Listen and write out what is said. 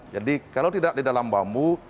jadi kalau tidak di dalam bambu